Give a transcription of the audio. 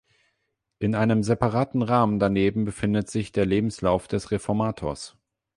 In einem separaten Rahmen daneben befindet sich der Lebenslauf des Reformators.